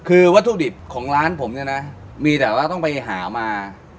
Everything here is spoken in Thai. คือวัตถุดิบของร้านผมเนี่ยนะมีแต่ว่าต้องไปหามา